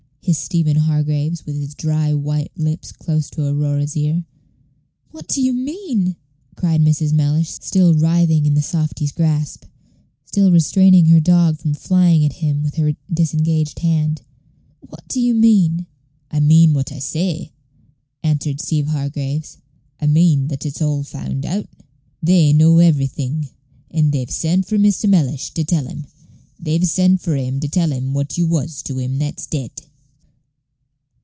hissed Stephen Hargraves, with his dry white lips close to Aurora's ear. Page 141 "What do you mean?" cried Mrs. Mellish, still writhing in the softy's grasp still restraining her dog from flying at him with her disengaged hand; "what do you mean?" "I mean what I say," answered Steeve Hargraves; "I mean that it's all found out. They know everything; and they've sent for Mr. Mellish, to tell him. They've sent for him to tell him what you was to him that's dead."